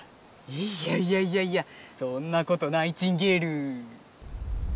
いやいやいやいやそんなことナイチンゲール。